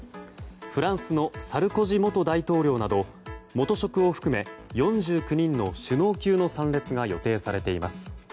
フランスのサルコジ元大統領など元職を含め４９人の首脳級の参列が予定されています。